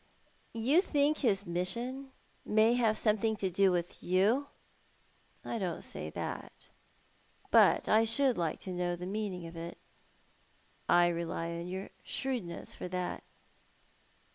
" You think his mission may have something to do with you?" " I don't say that, but I should like to know the meaning of it. I rely upon your shrewdness for that.